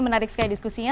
menarik sekali diskusinya